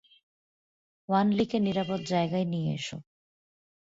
ওয়ানলিকে নিরাপদ জায়গায় নিয়ে এসো।